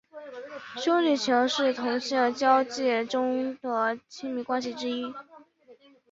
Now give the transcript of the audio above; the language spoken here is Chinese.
兄弟情是同性交际中的亲密关系之一。